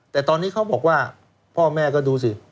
แต่ตอนนี้เขาบอกว่าพ่อแม่ก็ดูสิ